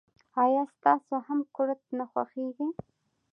آیا تاسو هم کورت نه خوښیږي.